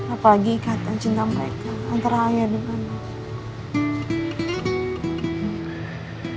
apalagi kata cinta mereka antara ayah dan anak